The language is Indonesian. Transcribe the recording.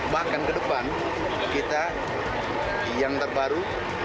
bahkan ke depan kita yang terbaru